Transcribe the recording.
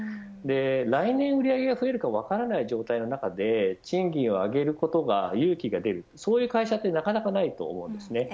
来年売り上げが増えるか分からない状況の中で賃金を上げることが勇気が出るそういう会社はなかなかないと思います。